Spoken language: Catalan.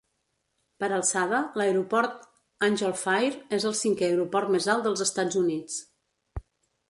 Per alçada, l'Aeroport Angel Fire es el cinquè aeroport més alt dels Estats Units.